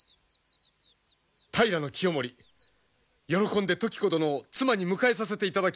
平清盛喜んで時子殿を妻に迎えさせていただきます。